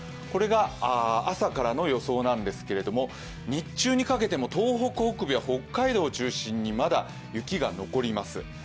これが朝からの予想なんですけれども日中にかけても東北北部や北海道を中心にまだ雪が残ります。